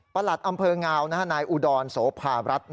หลัดอำเภองาวนายอุดรโสภารัฐ